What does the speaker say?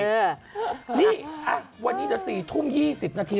นี่วันนี้จะ๔ทุ่ม๒๐นาที